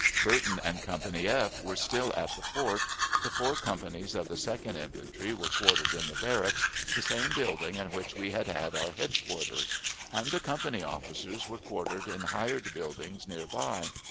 Burton and Company F were still at the fort; the four companies of the Second Infantry were quartered in the barracks, the same building in which we had had our headquarters; and the company officers were quartered in hired buildings near by.